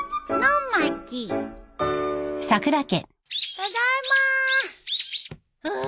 ただいまー！